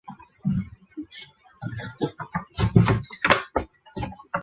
安徽嗜眼吸虫为嗜眼科嗜眼属的动物。